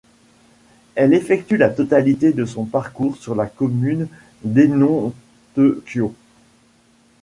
Elle effectue la totalité de son parcours sur la commune d'Enontekiö.